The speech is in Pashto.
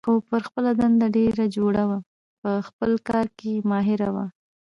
خو پر خپله دنده ډېره جوړه وه، په خپل کار کې ماهره وه.